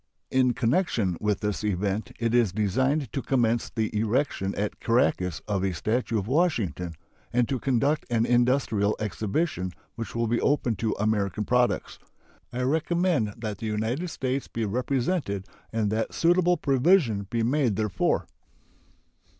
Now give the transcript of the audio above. In connection with this event it is designed to commence the erection at Caracas of a statue of Washington and to conduct an industrial exhibition which will be open to American products. I recommend that the United States be represented and that suitable provision be made therefor.